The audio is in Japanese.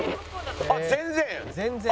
あっ全然？